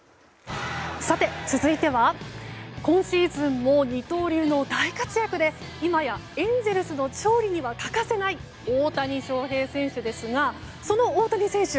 続いては今シーズンも二刀流の大活躍で今やエンゼルスの勝利にはかかせない大谷翔平選手ですがその大谷選手